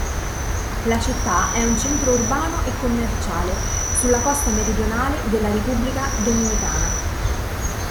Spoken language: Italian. La città è un centro urbano e commerciale sulla costa meridionale della Repubblica Dominicana.